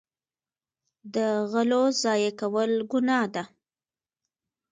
د غلو ضایع کول ګناه ده.